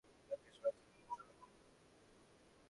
রাকেশ মাথুর এবং চরণ কুমার।